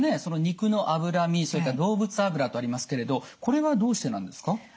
その肉の脂身それから動物脂とありますけれどこれはどうしてなんですか？